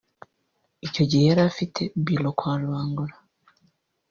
Icyo gihe yari afite bureau kwa Rubangura